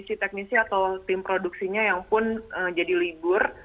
sisi teknisi atau tim produksinya yang pun jadi libur